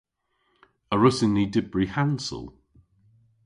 A wrussyn ni dybri hansel?